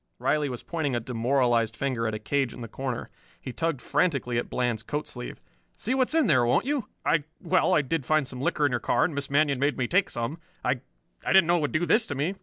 Riley was pointing a demoralized finger at a cage in the corner. He tugged frantically at Bland's coat sleeve. "See what's in there, won't you? I well, I did find some liquor in your car, and Miss Manion made me take some. I I didn't know it would do this to me.